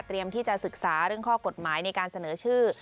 ที่จะศึกษาเรื่องข้อกฎหมายในการเสนอชื่อ